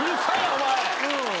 お前。